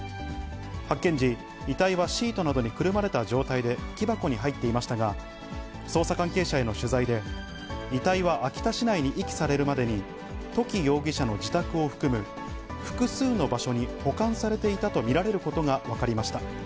発見時、遺体はシートなどにくるまれた状態で木箱に入っていましたが、捜査関係者への取材で、遺体は秋田市内に遺棄されるまでに、土岐容疑者の自宅を含む複数の場所に保管されていたと見られることが分かりました。